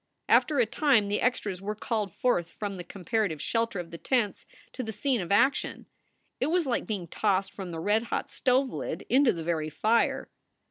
After a time the extras were called forth from the com parative shelter of the tents to the scene of action. It was like being tossed from the red hot stove lid into the very fire.